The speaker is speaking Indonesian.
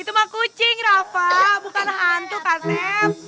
itu mah kucing rafa bukan hantu kak sep